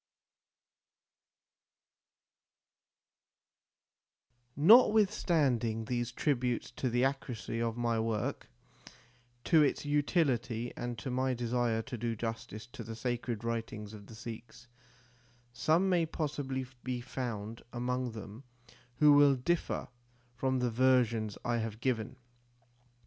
1 Notwithstanding these tributes to the accuracy of my work, to its utility and to my desire to do justice to the sacred writings of the Sikhs, some may possibly be found among them who will differ from the versions I have given.